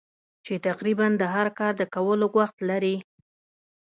چې تقریباً د هر کار د کولو وخت لرې.